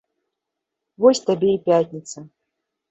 Вось табе і пятніца!